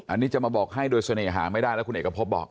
อันนี้จะมาบอกให้โดยเสน่หาไม่ได้แล้วคุณเอกพบบอก